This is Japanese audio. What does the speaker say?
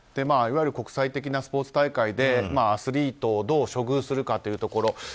いわゆる国際的なスポーツ大会でアスリートをどう処遇するかというところ。